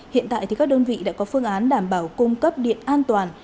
hiện tại các đơn vị đã có phương án đảm bảo cung cấp điện an toàn